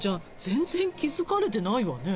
全然気付かれてないわね。